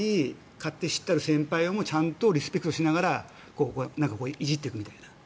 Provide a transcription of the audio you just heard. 勝手知ったる先輩とかはちゃんとリスペクトしながらいじっていくみたいな。